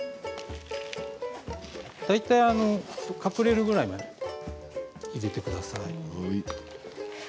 大体、隠れるぐらいまで入れてください。